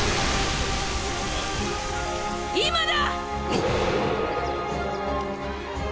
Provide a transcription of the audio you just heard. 今だ！